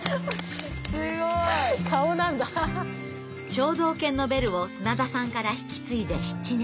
聴導犬のベルを砂田さんから引き継いで７年。